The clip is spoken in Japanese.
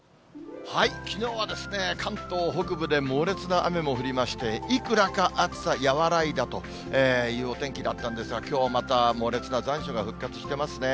きのうは関東北部で猛烈な雨も降りまして、いくらか暑さ和らいだというお天気だったんですが、きょうはまた猛烈な残暑が復活してますね。